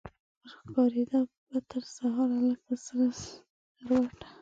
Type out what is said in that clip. چي ښکاریده به ترسهاره لکه سره سکروټه